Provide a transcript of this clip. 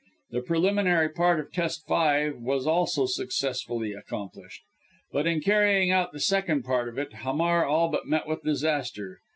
The preliminary part of test five was also successfully accomplished; but in carrying out the second part of it, Hamar all but met with disaster.